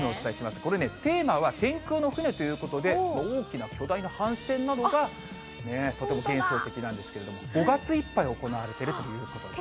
これね、テーマは天空の船ということで、大きな巨大な帆船などがとても幻想的なんですけれども、５月いっぱい行われているということです。